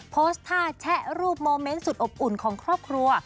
โพสต์ท่าแชะรูปโมเมนต์สุดอบอุ่นของครอบครัว